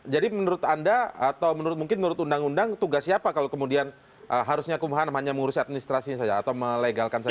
jadi menurut anda atau menurut mungkin menurut undang undang tugas siapa kalau kemudian harusnya kumham hanya mengurus administrasinya saja atau melegalkan saja